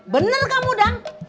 bener kamu dang